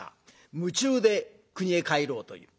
夢中で国へ帰ろうという。